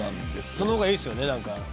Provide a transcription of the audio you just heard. その方がいいですよね。